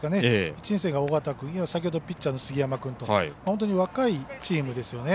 １年生が緒方君先ほどピッチャーの杉山君と本当に若いチームですよね。